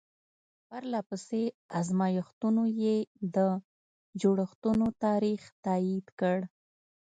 پرله پسې ازمایښتونو یې د جوړښتونو تاریخ تایید کړ.